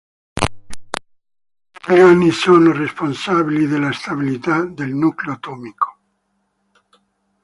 I gluoni sono responsabili della stabilità del nucleo atomico.